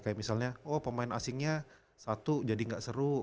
kayak misalnya oh pemain asingnya satu jadi nggak seru